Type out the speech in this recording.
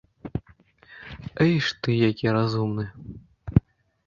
Эйш ты, які разумны!